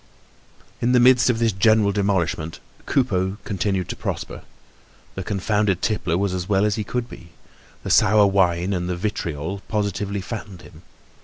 In the midst of this general demolishment, Coupeau continued to prosper. The confounded tippler was as well as well could be. The sour wine and the "vitriol" positively fattened him.